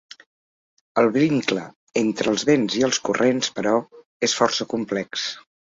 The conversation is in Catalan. El vincle entre els vents i els corrents, però, és força complex.